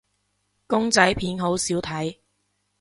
公仔片好少睇